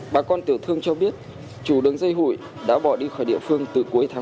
bà con tiểu thương cho biết chủ đứng dây hủy đã bỏ đi khỏi địa phương từ cuối năm